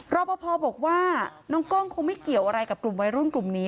รอปภบอกว่าน้องกล้องคงไม่เกี่ยวอะไรกับกลุ่มวัยรุ่นกลุ่มนี้